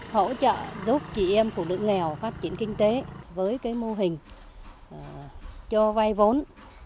hỗ trợ giúp chị em phụ nữ nghèo phát triển kinh tế với mô hình cho vay vốn